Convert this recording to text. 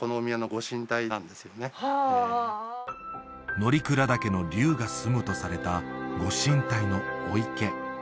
乗鞍岳の龍がすむとされた御神体の御池